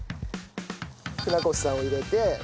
船越さんを入れて。